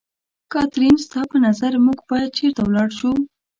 کاترین، ستا په نظر موږ باید چېرته ولاړ شو؟